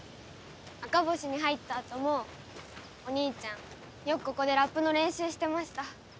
あかぼしに入った後もお兄ちゃんよくここでラップの練習してました。